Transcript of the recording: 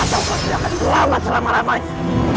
atau kau tidak akan selamat selama lamanya